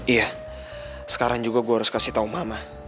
iya sekarang juga gue harus kasih tahu mama